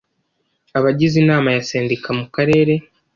abagize inama ya sendika mu karere